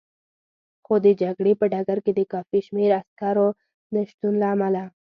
خو د جګړې په ډګر کې د کافي شمېر عسکرو نه شتون له امله.